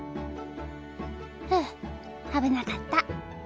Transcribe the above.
ふう危なかった。